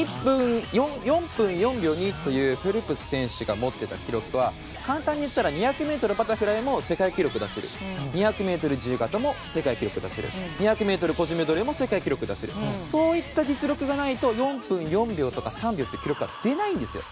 ４分４秒２というフェルプス選手が持っていた記録は簡単に言ったら２００ｍバタフライも世界記録出せる２００ｍ自由形も世界記録出せる２００ｍ個人メドレーも世界記録を出せるという実力を持っていないと出せないんですよ。